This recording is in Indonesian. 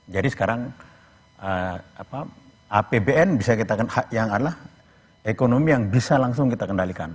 jadi sekarang apbn bisa kita yang adalah ekonomi yang bisa langsung kita kendalikan